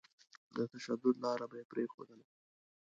د تشدد لاره به يې پرېښودله.